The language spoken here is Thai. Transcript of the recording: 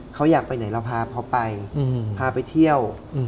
เขาอยากไปไหนเราพาเขาไปพาไปเที่ยว